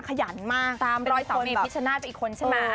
ขยันมากตามรอยสาวเมียพิชชนาธิ์เป็นอีกคนใช่มะ